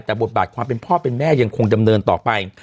แต่บทบาทความเป็นพ่อเป็นแม่ยังคงดำเนินต่อไป